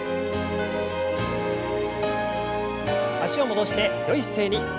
脚を戻してよい姿勢に。